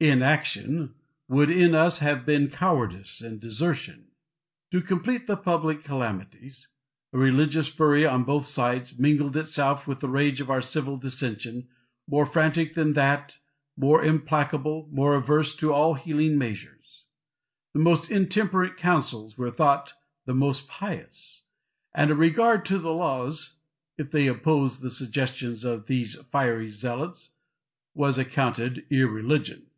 Inaction would in us have been cowardice and desertion. To complete the public calamities, a religious fury, on both sides, mingled itself with the rage of our civil dissensions, more frantic than that, more implacable, more averse to all healing measures. The most intemperate counsels were thought the most pious, and a regard to the laws, if they opposed the suggestions of these fiery zealots, was accounted irreligion.